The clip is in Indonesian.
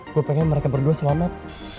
gue pengen mereka berdua selamat